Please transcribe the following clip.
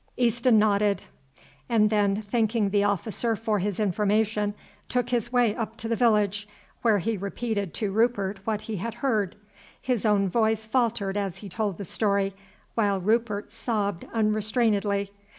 Easton nodded, and then, thanking the officer for his information, took his way up to the village, where he repeated to Rupert what he had heard. His own voice faltered as he told the story, while Rupert sobbed unrestrainedly.